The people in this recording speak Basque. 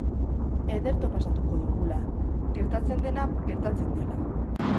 Ederto pasatuko dugula, gertatzen dena gertatzen dela.